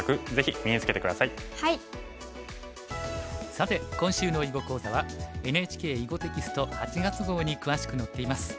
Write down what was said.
さて今週の囲碁講座はＮＨＫ囲碁テキスト８月号に詳しく載っています。